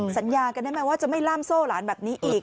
สัญญากันได้ไหมว่าจะไม่ล่ามโซ่หลานแบบนี้อีก